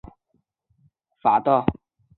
客家风水林与村屋群之间铺设木栈道。